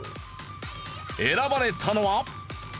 選ばれたのは。